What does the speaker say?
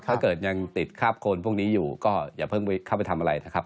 ถ้าเกิดยังติดคาบคนพวกนี้อยู่ก็อย่าเพิ่งเข้าไปทำอะไรนะครับ